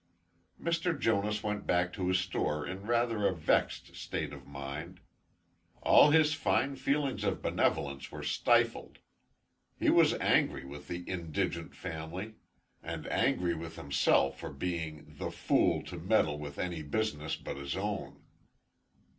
Mr. Jonas went back to his store in rather a vexed state of mind. All his fine feelings of benevolence were stifled. He was angry with the indigent family, and angry with himself for being "the fool to meddle with any business but his own."